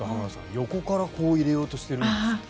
横から、こう入れようとしているんですって。